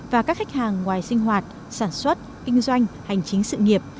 và các khách hàng ngoài sinh hoạt sản xuất kinh doanh hành chính sự nghiệp